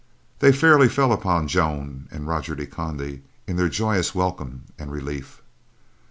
They fairly fell upon Joan and Roger de Conde in their joyous welcome and relief.